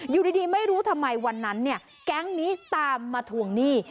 อยู่ดีไม่รู้ทำไมวันนั้นเนี่ยแก๊งนี้ตามมาทวงหนี้